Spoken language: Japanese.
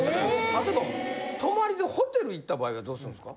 例えば泊まりでホテル行った場合はどうするんですか？